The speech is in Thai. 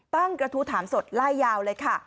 ตั้งกระทู้ถามสดลายยาวเลยค่ะ